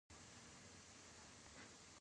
موږ ولې خوشحالي غواړو؟